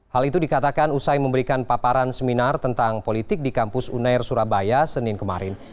hal itu dikatakan usai memberikan paparan seminar tentang politik di kampus unair surabaya senin kemarin